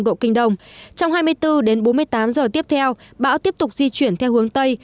trong hai mươi bốn đến bốn mươi tám giờ tiếp theo bão tiếp tục di chuyển theo hướng tây